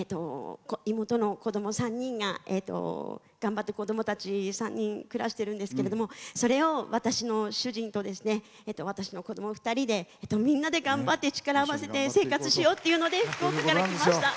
妹の子ども３人が頑張って子どもたち３人暮らしているんですけどそれを私の主人と私の子ども２人でみんなで頑張って力を合わせて生活しようっていうので福岡から来ました。